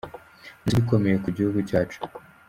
Ni umusingi ukomeye ku gihugu cyacu.”